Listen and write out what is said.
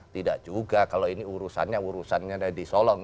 tidak juga kalau ini urusannya urusannya di solong